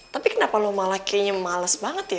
tapi kenapa lo malah kayaknya males banget ya